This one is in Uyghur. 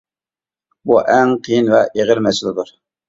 بۇ ئەڭ قىيىن ۋە ئېغىر مەسىلىدۇر.